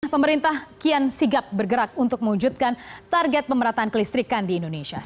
pemerintah kian sigap bergerak untuk mewujudkan target pemerataan kelistrikan di indonesia